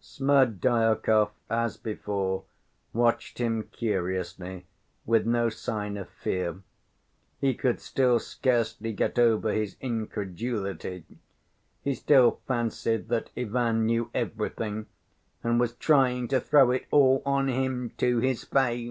Smerdyakov, as before, watched him curiously, with no sign of fear. He could still scarcely get over his incredulity; he still fancied that Ivan knew everything and was trying to "throw it all on him to his face."